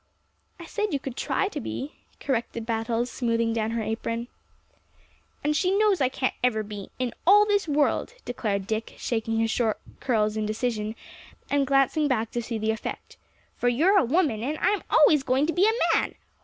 "I said you could try to be," corrected Battles, smoothing down her apron. "And she knows I can't ever be, in all this world," declared Dick, shaking his short curls in decision, and glancing back to see the effect, "for you're a woman, and I'm always going to be a man.